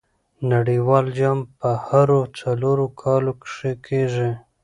نړۍوال جام په هرو څلور کاله کښي کیږي.